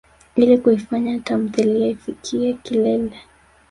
Ili kuifanya tamthilia ifikiye kilele.